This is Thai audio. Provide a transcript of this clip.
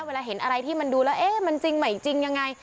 เวลาเห็นอะไรที่มันดูแล้วเอ๊ะมันจริงใหม่จริงยังไง